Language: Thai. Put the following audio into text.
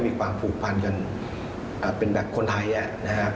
มีความผูกพันกันเป็นแบบคนไทยนะครับ